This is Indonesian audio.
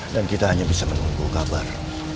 kita hanya bisa menunggu kabar